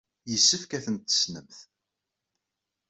Yessefk ad tent-tessnemt.